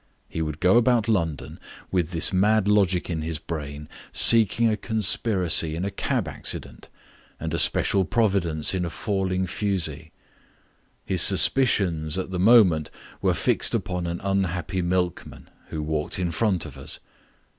He would go about London, with this mad logic in his brain, seeing a conspiracy in a cab accident, and a special providence in a falling fusee. His suspicions at the moment were fixed upon an unhappy milkman who walked in front of us.